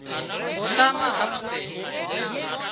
پوتان مان هپ سي